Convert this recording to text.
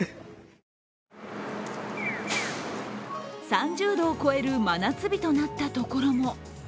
３０度を超える真夏日となったところも。